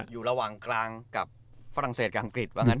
อยู่ระหว่างกลางกับฝรั่งเศสกับอังกฤษว่างั้น